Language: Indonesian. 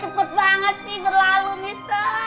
cepat banget sih berlalu mister